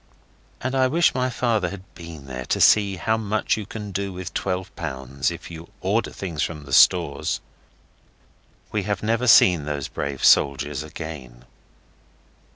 And I wish my father had been there to see how much you can do with L12 if you order the things from the Stores. We have never seen those brave soldiers again.